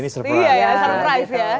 ini surprise ya